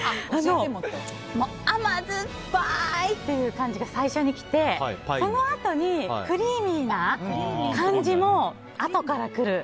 甘酸っぱい！っていう感じが最初に来てそのあとにクリーミーな感じもあとから来る。